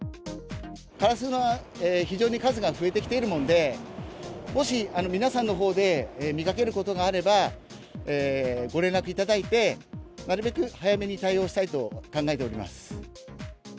カラスの非常に数が増えてきているもんで、もし、皆さんのほうで見かけることがあれば、ご連絡いただいて、なるべく早めに対応したいと考えております。